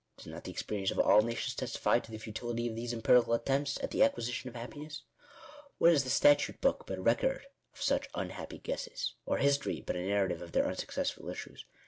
Does not the experience of all nations testify to the futility of these empirical attempts at the acquisition of happiness ? What is the statute book but a record of such unhappy guesses ? or history but a narrative of their unsuccessful issues